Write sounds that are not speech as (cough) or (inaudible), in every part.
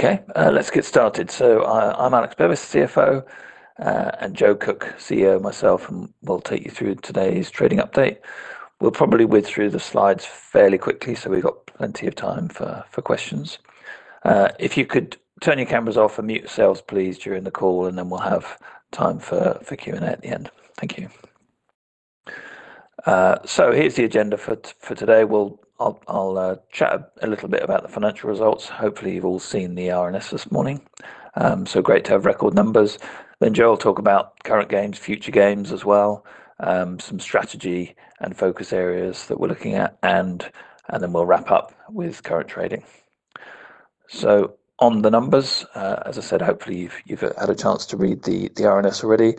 I'm Alex Bevis, CFO, and Jo Cooke, CEO, myself, will take you through today's trading update. We'll probably whiz through the slides fairly quickly, so we've got plenty of time for questions. If you could turn your cameras off and mute yourselves, please, during the call, and then we'll have time for Q&A at the end. Thank you. Here's the agenda for today. I'll chat a little bit about the financial results. Hopefully, you've all seen the RNS this morning. Great to have record numbers. Jo will talk about current games, future games as well, some strategy and focus areas that we're looking at, and then we'll wrap up with current trading. On the numbers, as I said, hopefully you've had a chance to read the RNS already.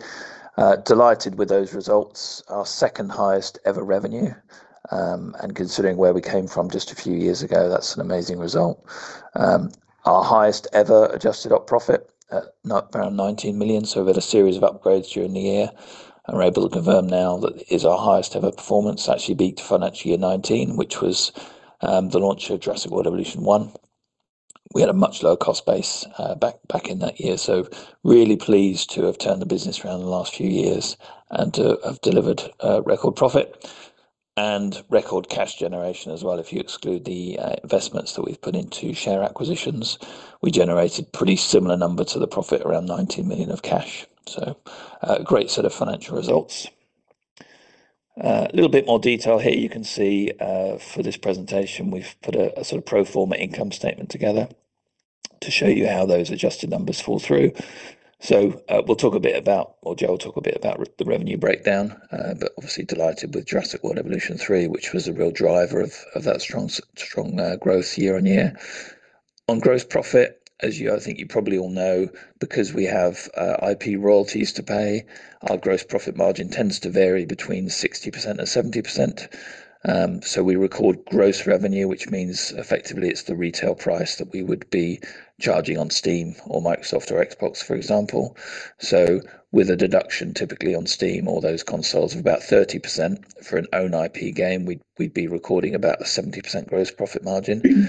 Delighted with those results. Our second highest ever revenue, considering where we came from just a few years ago, that's an amazing result. Our highest ever adjusted op profit at around 19 million. We had a series of upgrades during the year, and we're able to confirm now that is our highest ever performance. Actually beat financial year 2019, which was the launch of Jurassic World Evolution 1. We had a much lower cost base back in that year. Really pleased to have turned the business around in the last few years and to have delivered a record profit and record cash generation as well. If you exclude the investments that we've put into share acquisitions, we generated pretty similar number to the profit, around 19 million of cash. A great set of financial results. A little bit more detail here. You can see for this presentation, we've put a pro forma income statement together to show you how those adjusted numbers fall through. We'll talk a bit about, or Jo will talk a bit about the revenue breakdown, but obviously delighted with Jurassic World Evolution 3, which was a real driver of that strong growth year-over-year. On gross profit, as I think you probably all know, because we have IP royalties to pay, our gross profit margin tends to vary between 60%-70%. We record gross revenue, which means effectively it's the retail price that we would be charging on Steam or Microsoft or Xbox, for example. With a deduction, typically on Steam, all those consoles of about 30% for an own IP game, we'd be recording about a 70% gross profit margin.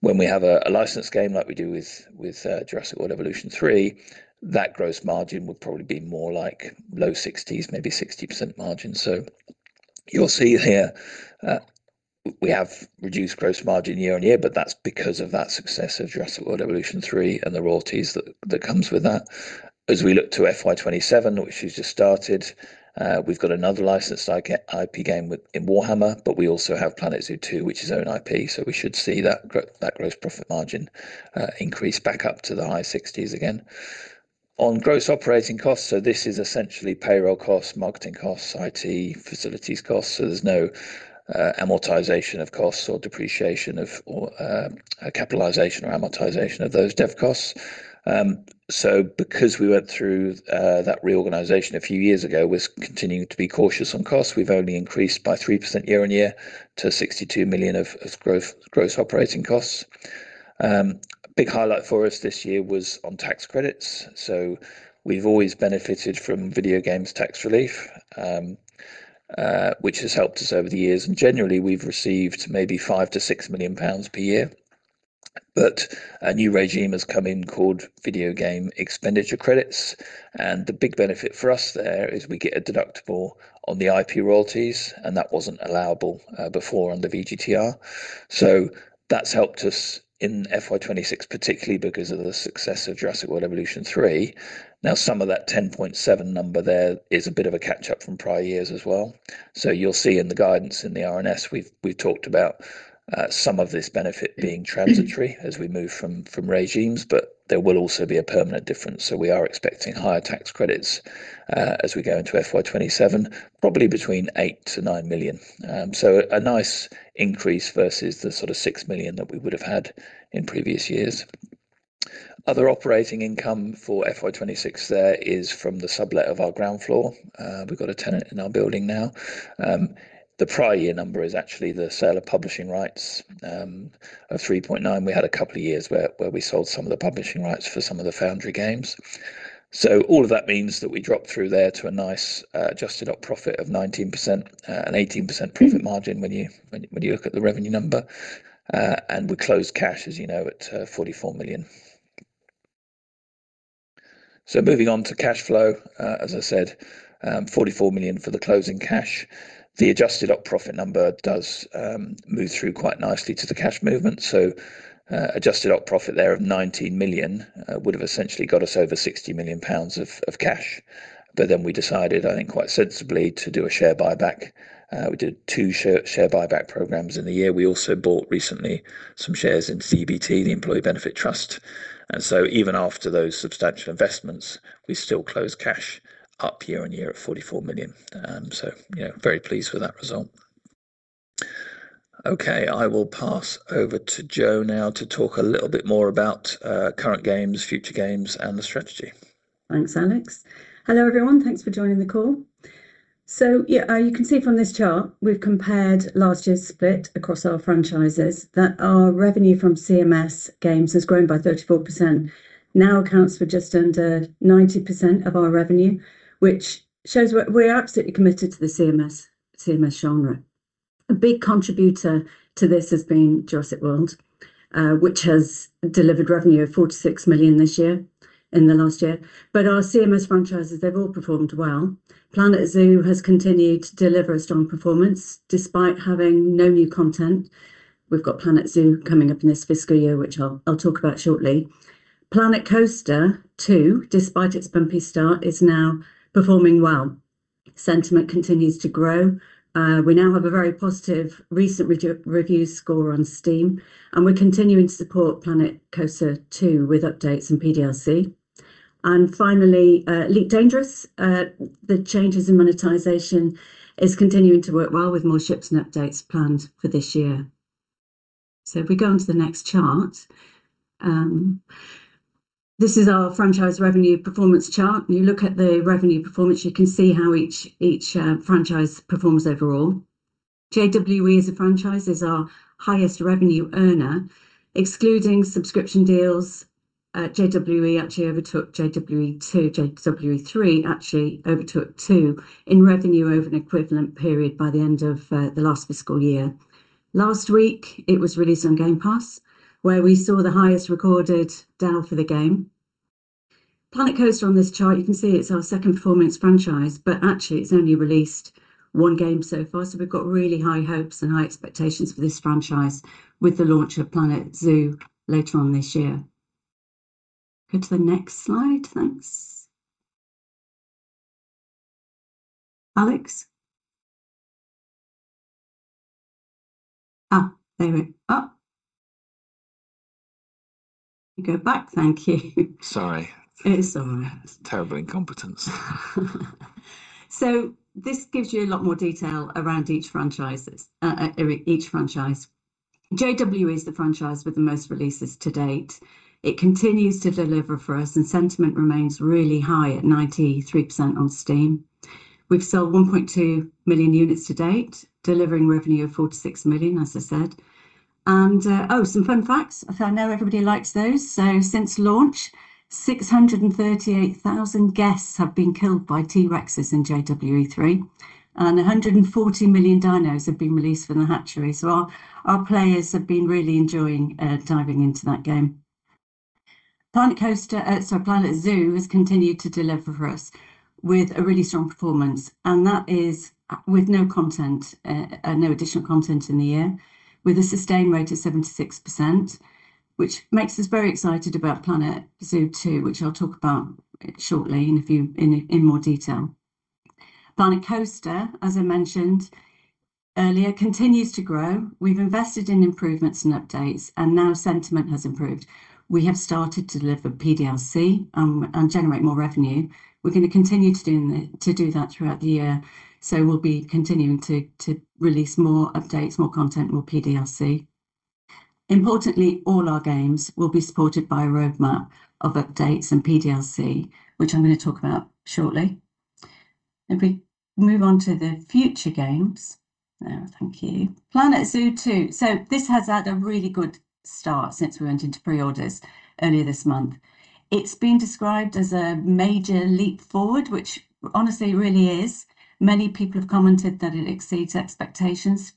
When we have a licensed game like we do with Jurassic World Evolution 3, that gross margin would probably be more like low 60%s, maybe 60% margin. You'll see here we have reduced gross margin year-over-year, but that's because of that success of Jurassic World Evolution 3 and the royalties that comes with that. As we look to FY 2027, which has just started, we've got another licensed IP game in Warhammer, but we also have Planet Zoo 2, which is own IP. We should see that gross profit margin increase back up to the high 60%s again. On gross operating costs, this is essentially payroll costs, marketing costs, IT, facilities costs. There's no amortization of costs or capitalization or amortization of those dev costs. Because we went through that reorganization a few years ago, we're continuing to be cautious on costs. We've only increased by 3% year-on-year to 62 million of gross operating costs. A big highlight for us this year was on tax credits. We've always benefited from Video Games Tax Relief, which has helped us over the years, and generally, we've received maybe 5 million-6 million pounds per year. A new regime has come in called Video Games Expenditure Credit, and the big benefit for us there is we get a deductible on the IP royalties, and that wasn't allowable before under VGTR. That's helped us in FY 2026, particularly because of the success of Jurassic World Evolution 3. Now some of that 10.7 million number there is a bit of a catch-up from prior years as well. You'll see in the guidance in the RNS, we've talked about some of this benefit being transitory as we move from regimes, there will also be a permanent difference, we are expecting higher tax credits as we go into FY 2027, probably between 8 million-9 million. A nice increase versus the sort of 6 million that we would have had in previous years. Other operating income for FY 2026 there is from the sublet of our ground floor. We've got a tenant in our building now. The prior year number is actually the sale of publishing rights of 3.9 million. We had a couple of years where we sold some of the publishing rights for some of the Foundry games. All of that means that we drop through there to a nice adjusted op profit of 19% and 18% profit margin when you look at the revenue number, and we close cash, as you know, at 44 million. Moving on to cash flow, as I said, 44 million for the closing cash. The adjusted op profit number does move through quite nicely to the cash movement. Adjusted op profit there of 19 million would have essentially got us over 60 million pounds of cash. We decided, I think quite sensibly, to do a share buyback. We did two share buyback programs in the year. We also bought recently some shares in EBT, the Employee Benefit Trust. Even after those substantial investments, we still closed cash up year-on-year at 44 million. Yeah, very pleased with that result. Okay, I will pass over to Jo now to talk a little bit more about current games, future games, and the strategy. Thanks, Alex. Hello, everyone. Thanks for joining the call. You can see from this chart, we've compared last year's split across our franchises that our revenue from CMS games has grown by 34%, now accounts for just under 90% of our revenue, which shows we're absolutely committed to the CMS genre. A big contributor to this has been Jurassic World, which has delivered revenue of 46 million this year in the last year. Our CMS franchises, they've all performed well. Planet Zoo has continued to deliver a strong performance despite having no new content. We've got Planet Zoo coming up in this fiscal year, which I'll talk about shortly. Planet Coaster 2, despite its bumpy start, is now performing well. Sentiment continues to grow. We now have a very positive recent review score on Steam, and we're continuing to support Planet Coaster 2 with updates and PDLC. Finally, Elite Dangerous. The changes in monetization is continuing to work well with more ships and updates planned for this year. If we go on to the next chart. This is our franchise revenue performance chart. When you look at the revenue performance, you can see how each franchise performs overall. JWE as a franchise is our highest revenue earner. Excluding subscription deals, JWE actually overtook JWE 2, JWE 3 actually overtook JWE 2 in revenue over an equivalent period by the end of the last fiscal year. Last week, it was released on Game Pass, where we saw the highest recorded download for the game. Planet Coaster on this chart, you can see it's our second performing franchise, actually it's only released one game so far. We've got really high hopes and high expectations for this franchise with the launch of Planet Zoo later on this year. Go to the next slide, thanks. Alex? (inaudible) If you go back. Thank you. Sorry. It's all right. It's terrible incompetence. This gives you a lot more detail around each franchise. JWE is the franchise with the most releases to date. It continues to deliver for us, and sentiment remains really high at 93% on Steam. We've sold 1.2 million units to date, delivering revenue of 46 million, as I said. Oh, some fun facts. I know everybody likes those. Since launch, 638,000 guests have been killed by T-rexes in JWE 3, and 140 million dinos have been released from the hatchery. Our players have been really enjoying diving into that game. Planet Zoo has continued to deliver for us with a really strong performance, and that is with no additional content in the year, with a sustain rate of 76%, which makes us very excited about Planet Zoo 2, which I'll talk about shortly in more detail. Planet Coaster, as I mentioned earlier, continues to grow. We've invested in improvements and updates and now sentiment has improved. We have started to deliver PDLC, and generate more revenue. We're going to continue to do that throughout the year. We'll be continuing to release more updates, more content, more PDLC. Importantly, all our games will be supported by a roadmap of updates and PDLC, which I'm going to talk about shortly. If we move on to the future games. There, thank you. Planet Zoo 2. This has had a really good start since we went into pre-orders earlier this month. It's been described as a major leap forward, which honestly, really is. Many people have commented that it exceeds expectations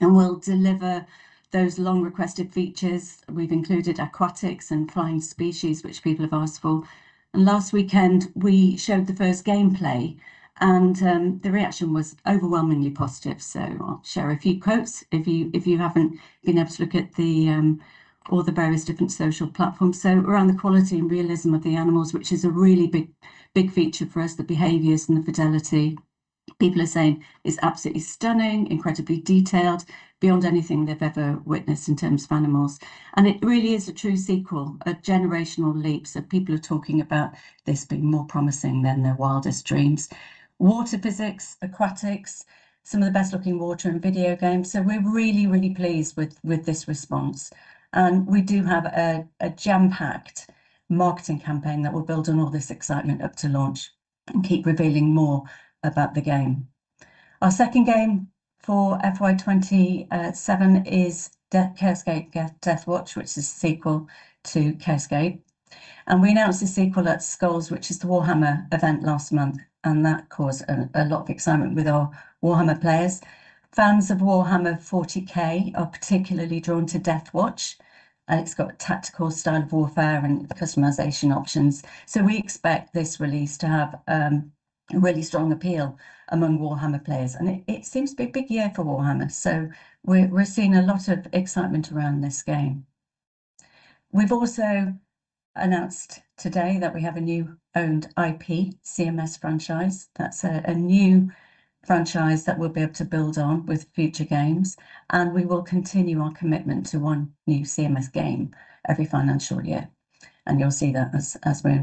and will deliver those long-requested features. We've included aquatics and flying species, which people have asked for. Last weekend we showed the first gameplay and the reaction was overwhelmingly positive. I'll share a few quotes if you haven't been able to look at all the various different social platforms. Around the quality and realism of the animals, which is a really big feature for us, the behaviors and the fidelity. People are saying it's absolutely stunning, incredibly detailed, beyond anything they've ever witnessed in terms of animals. It really is a true sequel, a generational leap. People are talking about this being more promising than their wildest dreams. Water physics, aquatics, some of the best-looking water in video games. We're really, really pleased with this response. We do have a jam-packed marketing campaign that will build on all this excitement up to launch and keep revealing more about the game. Our second game for FY 2027 is Chaos Gate: Deathwatch, which is a sequel to Chaos Gate. We announced the sequel at Skulls, which is the Warhammer event last month, and that caused a lot of excitement with our Warhammer players. Fans of Warhammer 40,000 are particularly drawn to Deathwatch, and it's got tactical style of warfare and customization options. We expect this release to have really strong appeal among Warhammer players, and it seems to be a big year for Warhammer. We're seeing a lot of excitement around this game. We've also announced today that we have a new owned IP CMS franchise. That's a new franchise that we'll be able to build on with future games, and we will continue our commitment to one new CMS game every financial year, and you'll see that as we're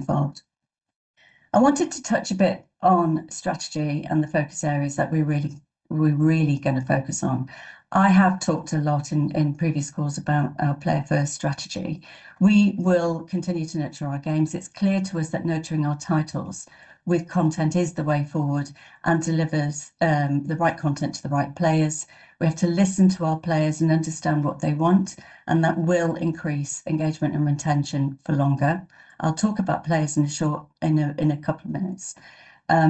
involved. I wanted to touch a bit on strategy and the focus areas that we're really going to focus on. I have talked a lot in previous calls about our player-first strategy. We will continue to nurture our games. It's clear to us that nurturing our titles with content is the way forward and delivers the right content to the right players. We have to listen to our players and understand what they want, and that will increase engagement and retention for longer. I'll talk about players in a couple of minutes. Our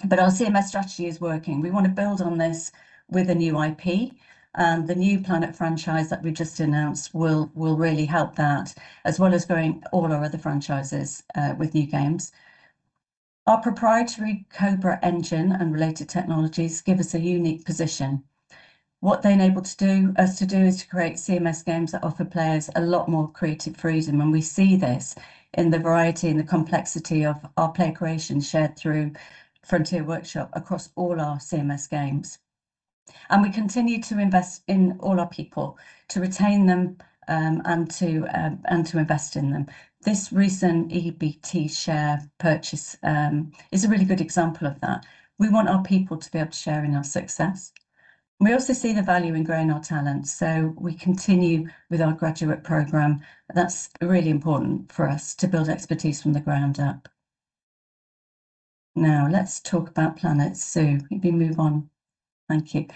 CMS strategy is working. We want to build on this with a new IP, and the new Planet franchise that we just announced will really help that, as well as growing all our other franchises with new games. Our proprietary Cobra Engine and related technologies give us a unique position. What they enable us to do is to create CMS games that offer players a lot more creative freedom, and we see this in the variety and the complexity of our player creation shared through Frontier Workshop across all our CMS games. We continue to invest in all our people to retain them, and to invest in them. This recent EBT share purchase is a really good example of that. We want our people to be able to share in our success. We also see the value in growing our talent, so we continue with our graduate program. That's really important for us to build expertise from the ground up. Now, let's talk about Planet Zoo. If you move on. Thank you.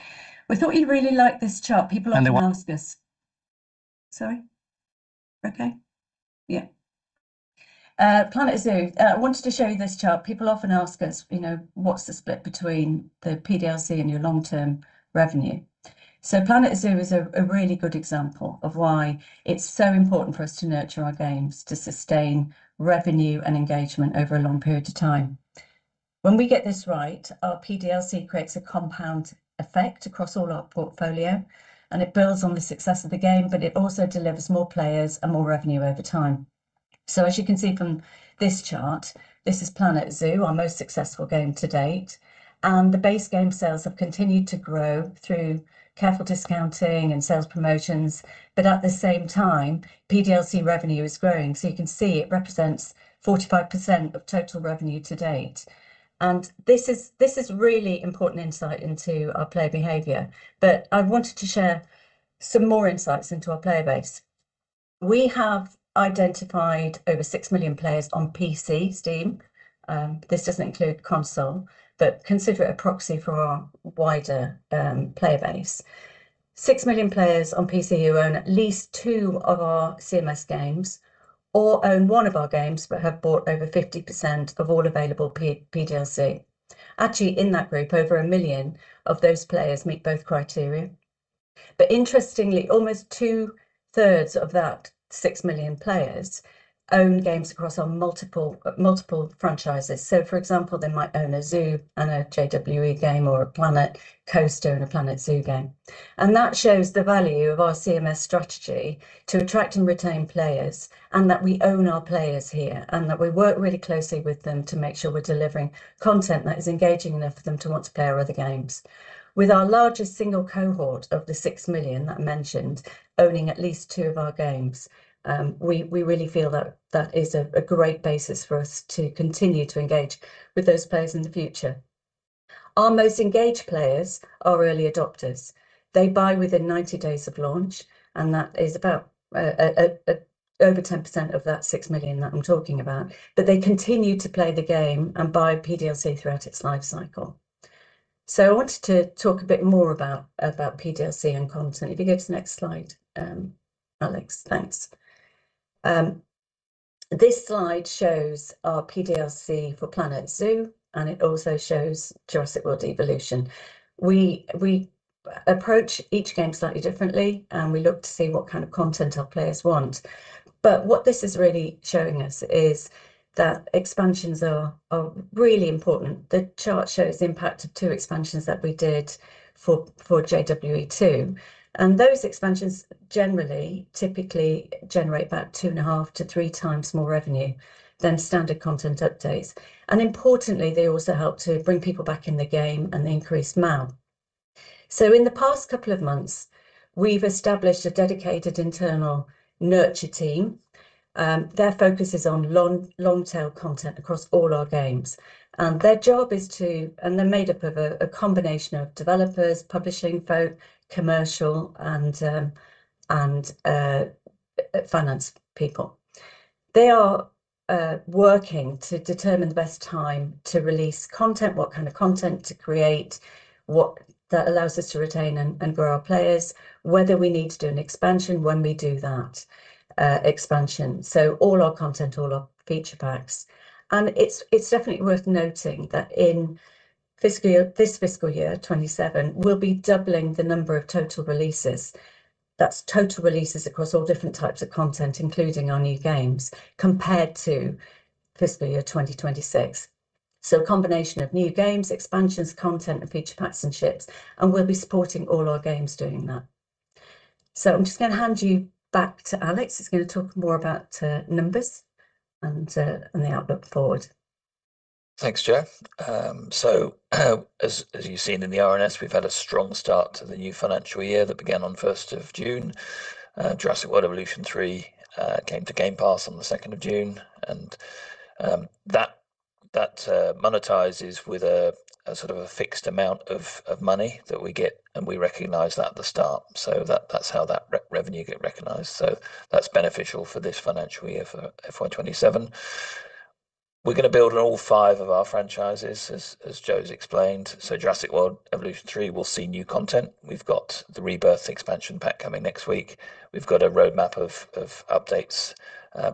We thought you'd really like this chart. People often ask us- The one- Sorry? Okay. Yeah. Planet Zoo. I wanted to show you this chart. People often ask us, "What's the split between the PDLC and your long-term revenue?" Planet Zoo is a really good example of why it's so important for us to nurture our games to sustain revenue and engagement over a long period of time. When we get this right, our PDLC creates a compound effect across all our portfolio. It builds on the success of the game, but it also delivers more players and more revenue over time. As you can see from this chart, this is Planet Zoo, our most successful game to date. The base game sales have continued to grow through careful discounting and sales promotions, but at the same time, PDLC revenue is growing. You can see it represents 45% of total revenue to date. This is really important insight into our player behavior. I wanted to share some more insights into our player base. We have identified over 6 million players on PC, Steam. This doesn't include console, but consider it a proxy for our wider player base. 6 million players on PC who own at least two of our CMS games or own one of our games but have bought over 50% of all available PDLC. Actually, in that group, over 1 million of those players meet both criteria. Interestingly, almost two-thirds of that 6 million players own games across multiple franchises. For example, they might own a Zoo and a JWE game or a Planet Coaster and a Planet Zoo game. That shows the value of our CMS strategy to attract and retain players. We own our players here, and we work really closely with them to make sure we're delivering content that is engaging enough for them to want to play our other games. With our largest single cohort of the 6 million I mentioned owning at least two of our games, we really feel that that is a great basis for us to continue to engage with those players in the future. Our most engaged players are early adopters. They buy within 90 days of launch, and that is about over 10% of that 6 million that I'm talking about. They continue to play the game and buy PDLC throughout its life cycle. I wanted to talk a bit more about PDLC and content. If you go to the next slide, Alex. Thanks. This slide shows our PDLC for Planet Zoo. It also shows Jurassic World Evolution. We approach each game slightly differently, and we look to see what kind of content our players want. What this is really showing us is that expansions are really important. The chart shows the impact of two expansions that we did for JWE 2. Those expansions generally typically generate about two and a half to three times more revenue than standard content updates. Importantly, they also help to bring people back in the game and they increase MAU. In the past couple of months, we've established a dedicated internal nurture team. Their focus is on long-tail content across all our games. They're made up of a combination of developers, publishing folk, commercial, and finance people. They are working to determine the best time to release content, what kind of content to create, what allows us to retain and grow our players, whether we need to do an expansion, when we do that expansion. All our content, all our feature packs. It's definitely worth noting that in this fiscal year 2027, we'll be doubling the number of total releases. That's total releases across all different types of content, including our new games, compared to fiscal year 2026. A combination of new games, expansions, content, and feature packs and ships, and we'll be supporting all our games doing that. I'm just going to hand you back to Alex, who's going to talk more about numbers and the outlook forward. Thanks, Jo. As you've seen in the RNS, we've had a strong start to the new financial year that began on the 1st of June. Jurassic World Evolution 3 came to Game Pass on the 2nd of June, and that monetizes with a fixed amount of money that we get, and we recognize that at the start. That's how that revenue get recognized. That's beneficial for this financial year, for FY 2027. We're going to build on all five of our franchises, as Jo's explained. Jurassic World Evolution 3, we'll see new content. We've got the Rebirth Expansion Pack coming next week. We've got a roadmap of updates,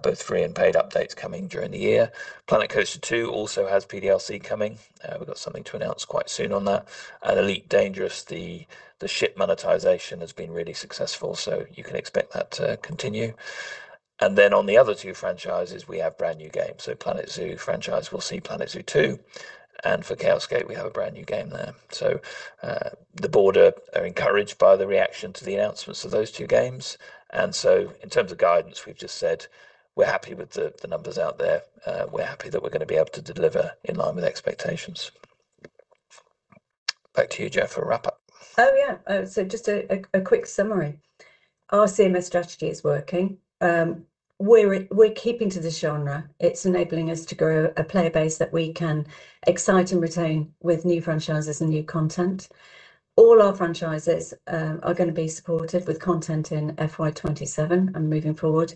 both free and paid updates, coming during the year. Planet Coaster 2 also has PDLC coming. We've got something to announce quite soon on that. Elite Dangerous, the ship monetization has been really successful, you can expect that to continue. On the other two franchises, we have brand-new games. Planet Zoo franchise, we'll see Planet Zoo 2, and for Chaos Gate we have a brand-new game there. The board are encouraged by the reaction to the announcements of those two games, in terms of guidance, we've just said we're happy with the numbers out there. We're happy that we're going to be able to deliver in line with expectations. Back to you, Jo, for a wrap-up. Just a quick summary. Our CMS strategy is working. We're keeping to the genre. It's enabling us to grow a player base that we can excite and retain with new franchises and new content. All our franchises are going to be supported with content in FY 2027 and moving forward,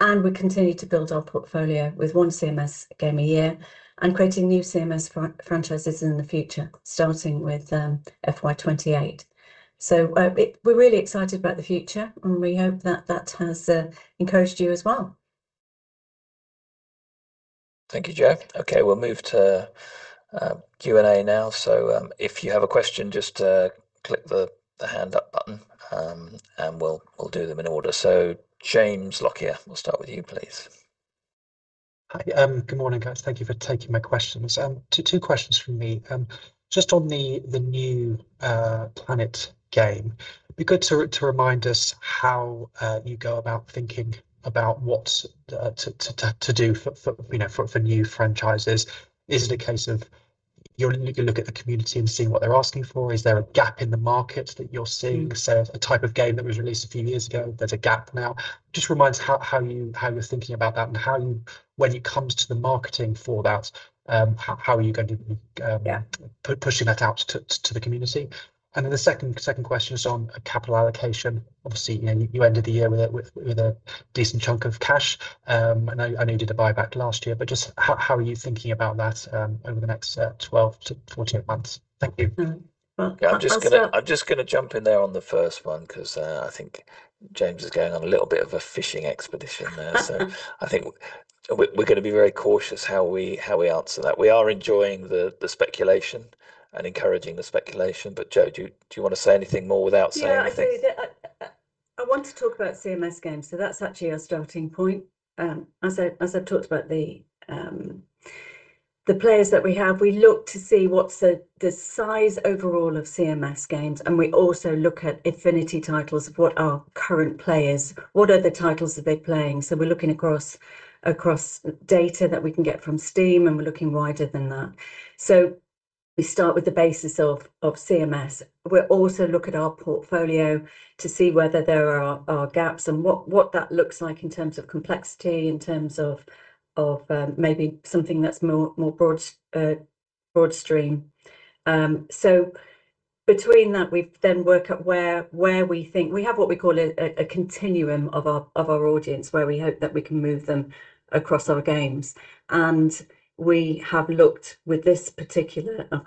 we continue to build our portfolio with one CMS game a year and creating new CMS franchises in the future, starting with FY 2028. We're really excited about the future, and we hope that that has encouraged you as well. Thank you, Jo. We'll move to Q&A now. If you have a question, just click the hand up button, we'll do them in order. James Lockyer, we'll start with you, please. Hi. Good morning, guys. Thank you for taking my questions. Two questions from me. Just on the new Planet game, it'd be good to remind us how you go about thinking about what to do for new franchises. Is it a case of you look at the community and see what they're asking for? Is there a gap in the market that you're seeing? A type of game that was released a few years ago, there's a gap now. Just remind us how you're thinking about that and when it comes to the marketing for that, how are you going to be- Yeah pushing that out to the community? The second question is on capital allocation. Obviously, you ended the year with a decent chunk of cash. I know you did a buyback last year, but just how are you thinking about that over the next 12-14 months? Thank you. I'm just going to jump in there on the first one because I think James is going on a little bit of a fishing expedition there. I think we're going to be very cautious how we answer that. We are enjoying the speculation and encouraging the speculation, Jo, do you want to say anything more without saying anything? I want to talk about CMS games, that's actually our starting point. As I've talked about the players that we have, we look to see what's the size overall of CMS games, and we also look at affinity titles of what our current players, what are the titles that they're playing. We're looking across data that we can get from Steam, and we're looking wider than that. We start with the basis of CMS. We'll also look at our portfolio to see whether there are gaps and what that looks like in terms of complexity, in terms of maybe something that's more broadstream. Between that, we then work out where we think we have what we call a continuum of our audience, where we hope that we can move them across our games. We have looked with this particular game,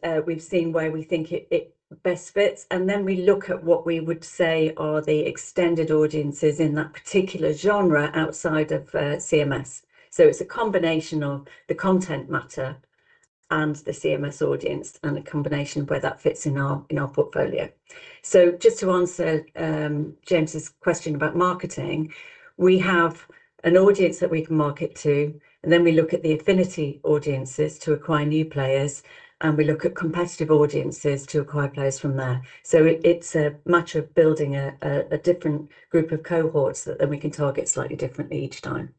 and we've seen where we think it best fits, then we look at what we would say are the extended audiences in that particular genre outside of CMS. It's a combination of the content matter and the CMS audience, and a combination of where that fits in our portfolio. Just to answer James's question about marketing, we have an audience that we can market to, then we look at the affinity audiences to acquire new players, and we look at competitive audiences to acquire players from there. It's a much of building a different group of cohorts that then we can target slightly differently each time.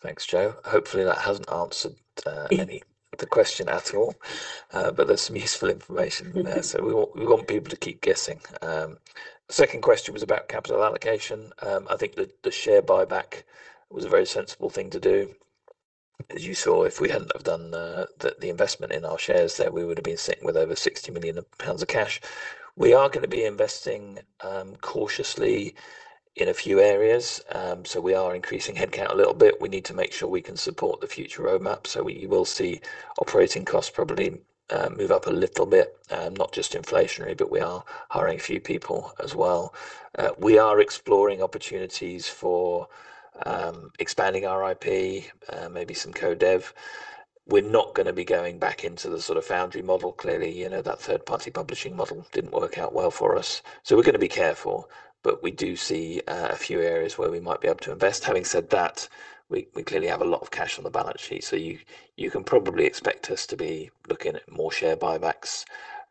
Thanks, Jo. Hopefully, that hasn't answered the question at all. There's some useful information in there. We want people to keep guessing. Second question was about capital allocation. I think the share buyback was a very sensible thing to do. As you saw, if we hadn't have done the investment in our shares there, we would've been sitting with over 60 million pounds of cash. We are going to be investing cautiously in a few areas. We are increasing headcount a little bit. We need to make sure we can support the future roadmap, we will see operating costs probably move up a little bit, not just inflationary, but we are hiring a few people as well. We are exploring opportunities for expanding our IP, maybe some co-dev. We're not going to be going back into the sort of foundry model. Clearly, that third-party publishing model didn't work out well for us. We're going to be careful, but we do see a few areas where we might be able to invest. Having said that, we clearly have a lot of cash on the balance sheet, you can probably expect us to be looking at more share buybacks.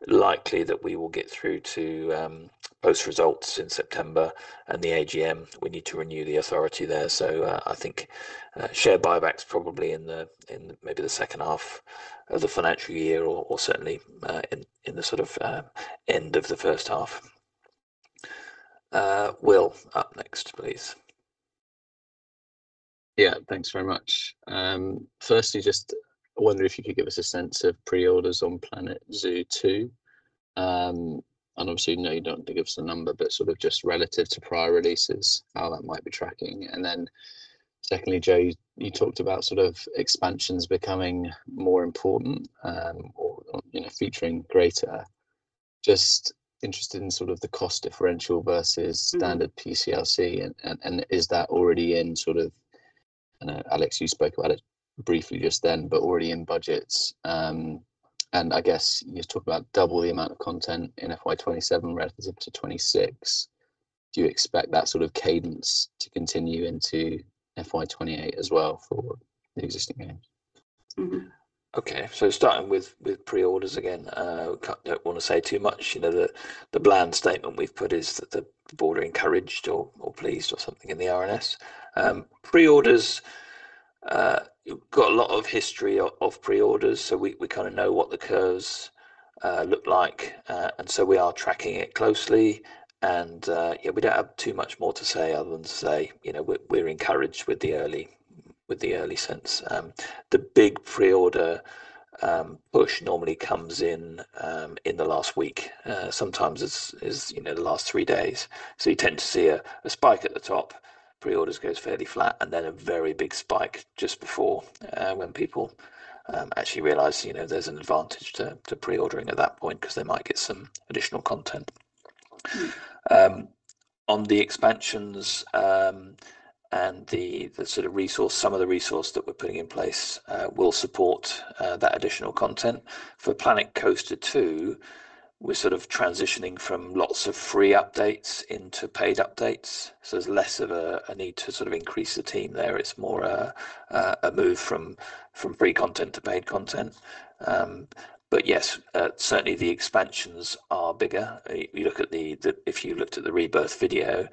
Likely that we will get through to post results in September and the AGM. We need to renew the authority there. I think share buybacks probably in maybe the second half of the financial year, or certainly in the sort of end of the first half. Will, up next, please Thanks very much. Firstly, just wondering if you could give us a sense of pre-orders on "Planet Zoo 2." Obviously, no, you don't have to give us a number, but just relative to prior releases, how that might be tracking. Then secondly, Jo, you talked about expansions becoming more important or featuring greater. Just interested in the cost differential versus standard PDLC and is that already in-- I know, Alex, you spoke about it briefly just then, but already in budgets. I guess you talked about double the amount of content in FY2027 relative to 2026. Do you expect that sort of cadence to continue into FY2028 as well for the existing games? Starting with pre-orders, again, look, I don't want to say too much. The bland statement we've put is that the board are encouraged or pleased or something in the RNS. Pre-orders, we've got a lot of history of pre-orders, so we kind of know what the curves look like. We are tracking it closely. Yeah, we don't have too much more to say other than to say, we're encouraged with the early sense. The big pre-order push normally comes in the last week. Sometimes it's the last three days. You tend to see a spike at the top, pre-orders goes fairly flat and then a very big spike just before, when people actually realize there's an advantage to pre-ordering at that point because they might get some additional content. On the expansions, and some of the resource that we're putting in place, will support that additional content. For "Planet Coaster 2," we're sort of transitioning from lots of free updates into paid updates, so there's less of a need to increase the team there. It's more a move from free content to paid content, but yes, certainly the expansions are bigger. If you looked at the Rebirth video,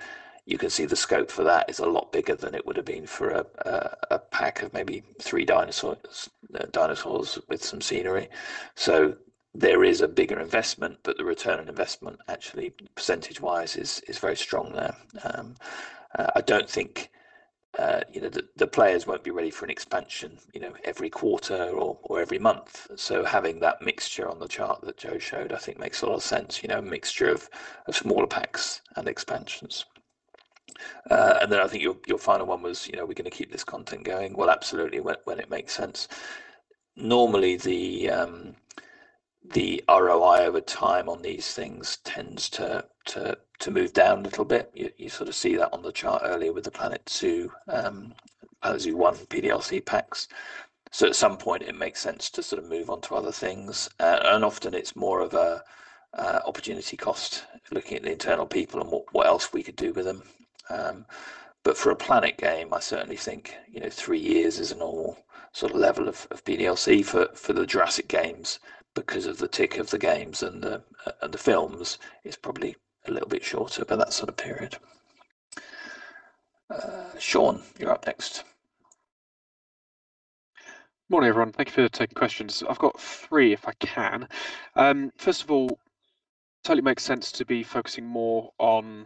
you can see the scope for that is a lot bigger than it would've been for a pack of maybe three dinosaurs with some scenery. There is a bigger investment, but the return on investment actually percentage-wise is very strong there. I don't think the players won't be ready for an expansion every quarter or every month. Having that mixture on the chart that Jo showed, I think makes a lot of sense. A mixture of smaller packs and expansions. I think your final one was, are we going to keep this content going? Well, absolutely, when it makes sense. Normally, the ROI over time on these things tends to move down a little bit. You sort of see that on the chart earlier with the "Planet Zoo 1" PDLC packs. At some point it makes sense to move on to other things. Often it's more of an opportunity cost looking at the internal people and what else we could do with them. For a Planet game, I certainly think three years is a normal sort of level of PDLC for the Jurassic games. Because of the tick of the games and the films, it's probably a little bit shorter, but that sort of period. Sean, you're up next. Morning, everyone. Thank you for taking questions. I've got three if I can. First of all, totally makes sense to be focusing more on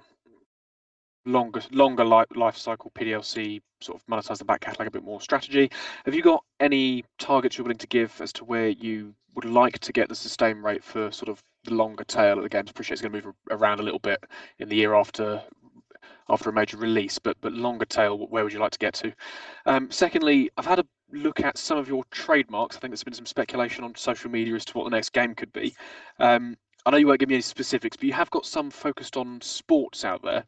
longer lifecycle PDLC, sort of monetize the back catalog a bit more strategy. Have you got any targets you're willing to give as to where you would like to get the sustain rate for sort of the longer tail of the games? Appreciate it's going to move around a little bit in the year after a major release, but longer tail, where would you like to get to? Secondly, I've had a look at some of your trademarks. I think there's been some speculation on social media as to what the next game could be. I know you won't give me any specifics, but you have got some focused on sports out there.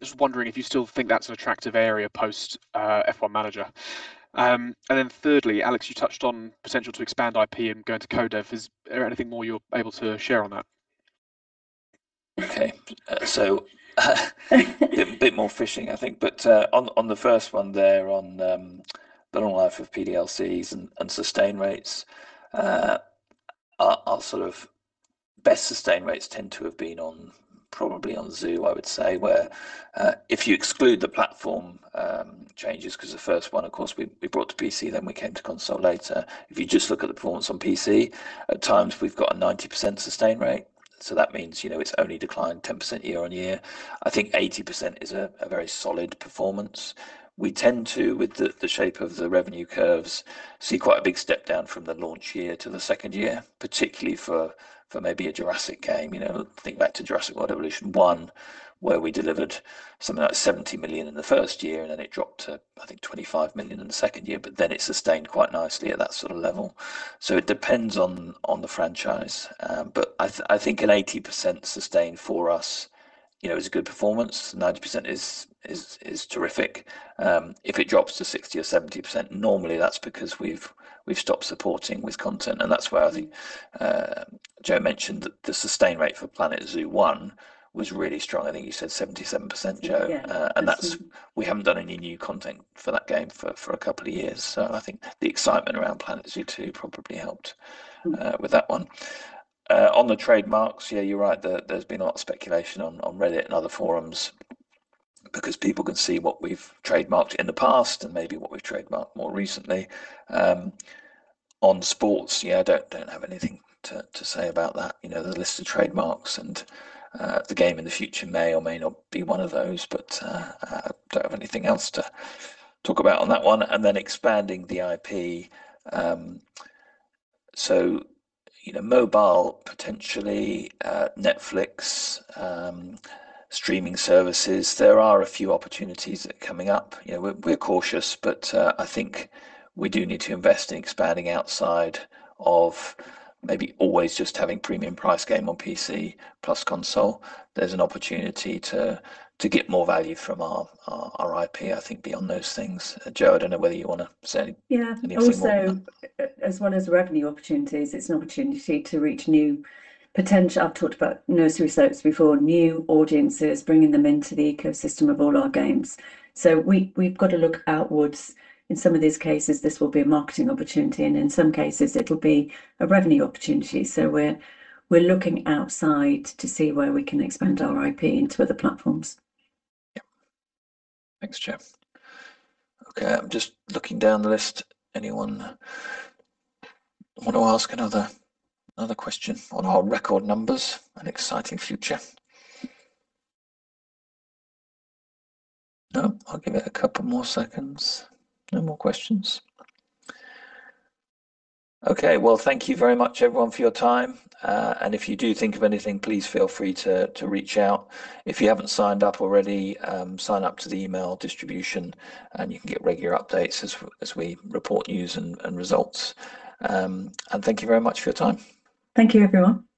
Just wondering if you still think that's an attractive area post-F1 Manager. Thirdly, Alex, you touched on potential to expand IP and going to co-dev. Is there anything more you're able to share on that? Okay. A bit more fishing, I think. On the first one there, on the long life of PDLCs and sustain rates, our sort of best sustain rates tend to have been probably on Zoo, I would say. Where if you exclude the platform changes, because the first one, of course, we brought to PC, then we came to console later. If you just look at the performance on PC, at times we've got a 90% sustain rate, so that means it's only declined 10% year-on-year. I think 80% is a very solid performance. We tend to, with the shape of the revenue curves, see quite a big step down from the launch year to the second year, particularly for maybe a Jurassic game. Think back to "Jurassic World Evolution 1" where we delivered something like 70 million in the first year and it dropped to, I think, 25 million in the second year, it sustained quite nicely at that sort of level. It depends on the franchise. I think an 80% sustain for us is a good performance. 90% is terrific. If it drops to 60% or 70%, normally that's because we've stopped supporting with content and that's where I think Jo mentioned that the sustain rate for "Planet Zoo 1" was really strong. I think you said 77%, Jo? Yeah. We haven't done any new content for that game for a couple of years. I think the excitement around Planet Zoo 2 probably helped with that one. On the trademarks, you're right. There's been a lot of speculation on Reddit and other forums because people can see what we've trademarked in the past and maybe what we've trademarked more recently. On sports, I don't have anything to say about that. There's a list of trademarks and the game in the future may or may not be one of those, but I don't have anything else to talk about on that one. Expanding the IP. Mobile potentially, Netflix, streaming services, there are a few opportunities that are coming up. We're cautious, but I think we do need to invest in expanding outside of maybe always just having premium price game on PC plus console. There's an opportunity to get more value from our IP, I think, beyond those things. Jo, I don't know whether you want to say anything more on that. Also, as well as revenue opportunities, it's an opportunity to reach new I've talked about nursery slopes before, new audiences, bringing them into the ecosystem of all our games. We've got to look outwards. In some of these cases, this will be a marketing opportunity, and in some cases it'll be a revenue opportunity. We're looking outside to see where we can expand our IP into other platforms. Thanks, Jo. I'm just looking down the list. Anyone want to ask another question on our record numbers and exciting future? I'll give it a couple more seconds. No more questions. Thank you very much everyone for your time, and if you do think of anything, please feel free to reach out. If you haven't signed up already, sign up to the email distribution and you can get regular updates as we report news and results. Thank you very much for your time. Thank you, everyone